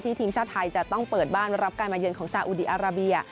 ทีมชาติไทยจะต้องเปิดบ้านรับการมาเยือนของซาอุดีอาราเบีย